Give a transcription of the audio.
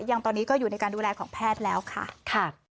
ยังตอนนี้ก็อยู่ในการดูแลของแพทย์แล้วค่ะ